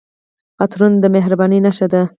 عطرونه د مهربانۍ نښه ده.